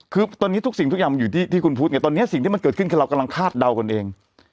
คือตอนนี้ทุกสิ่งทุกอย่างมันอยู่ที่คุณพูดไงตอนนี้สิ่งที่มันเกิดขึ้นคือเรากำลังคาดเดากันเอง